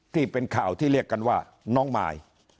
ที่เป็นข่าวที่เรียกกันว่าน้องมาย